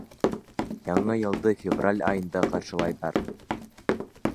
Яңы йылды февраль айында ҡаршылайҙар.